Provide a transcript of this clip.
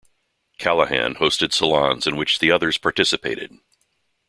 Callahan hosted salons in which the others participated.